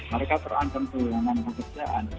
mereka terancam kehilangan pekerjaan